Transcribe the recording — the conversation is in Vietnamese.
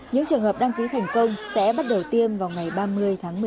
những trường hợp đăng ký thành công sẽ bắt đầu tiêm vào ngày ba mươi tháng một mươi một